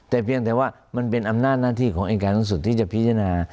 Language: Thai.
แต่เพียงแต่ว่ามันเป็นอำนาจหน้าที่ของอายการสูงสุดที่จะพิจารณา